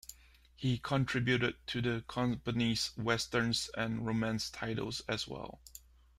He contributed to the company's westerns and romance titles as well.